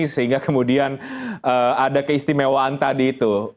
sehingga kemudian ada keistimewaan tadi itu